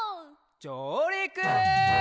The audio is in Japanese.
じょうりく！